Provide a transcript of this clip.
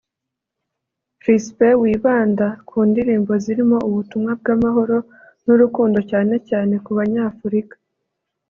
Chrispin wibanda ku ndirimbo zirimo ubutumwa bw’amahoro n’urukundo cyane cyane ku banyafurika